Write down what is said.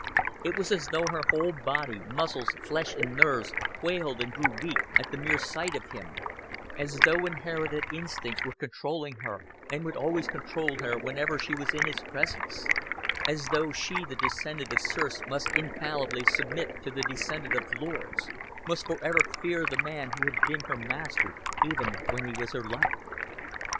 It was as though her whole body, muscles, flesh and nerves, quailed and grew weak at the mere sight of him; as though inherited instincts were controlling her, and would always control her whenever she was in his presence; as though she the descendant of serfs must infallibly submit to the descendant of lords must forever fear the man who had been her master even when he was her lover.